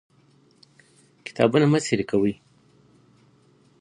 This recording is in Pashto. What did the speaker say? کتابونه مه څيرې کوئ.